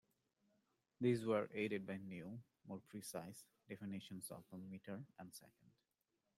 These were aided by new, more precise, definitions of the metre and second.